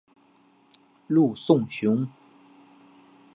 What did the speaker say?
陆颂雄。